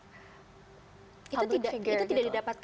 public figure itu tidak didapat